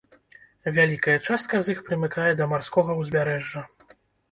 Вялікая частка з іх прымыкае да марскога ўзбярэжжа.